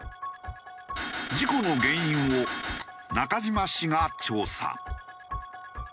事故の原因を中島氏が調査。